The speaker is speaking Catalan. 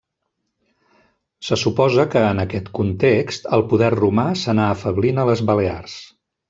Se suposa que, en aquest context, el poder romà s'anà afeblint a les Balears.